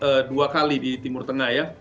memang pernah bertugas dua kali di timur tengah ya